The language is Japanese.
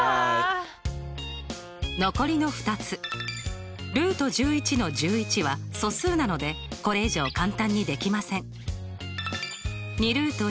残りの２つの１１は素数なのでこれ以上簡単にできません。